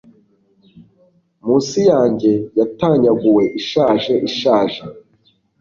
Munsi yanjye yatanyaguwe ishaje ishaje